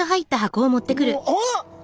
おっ！